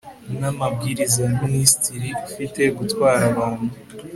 n amabwiriza ya minisitiri ufite gutwara abantu